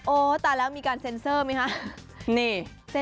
ตายแล้วมีการเซ็นเซอร์ไหมคะ